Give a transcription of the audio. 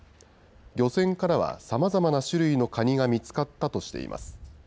漁船からはさまざまな種類のカニが見つかったとしています。